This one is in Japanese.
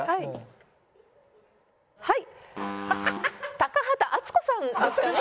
高畑淳子さんですかね？